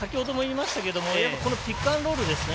ピックアンドロールですね。